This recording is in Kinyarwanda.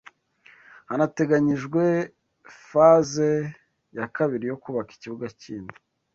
hanateganyijwe phase ya kabiri yo kubaka ikibuga kindi